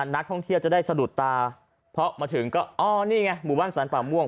นักท่องเที่ยวจะได้สะดุดตาเพราะมาถึงก็อ๋อนี่ไงหมู่บ้านสรรป่าม่วง